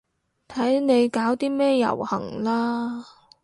睇你搞啲咩遊行啦